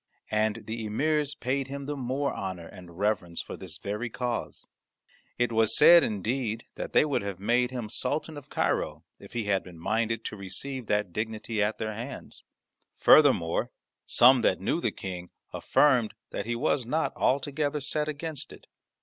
And the emirs paid him the more honour and reverence for this very cause. It was said, indeed, that they would have made him Sultan of Cairo, if he had been minded to receive that dignity at their hands; furthermore, some that knew the King affirmed that he was not altogether set against it.